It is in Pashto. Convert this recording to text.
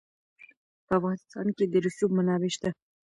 په افغانستان کې د رسوب منابع شته.